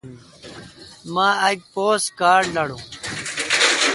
مہ اک پوسٹ کارڈ لاڈون۔